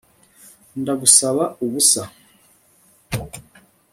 Ndagusaba ubusa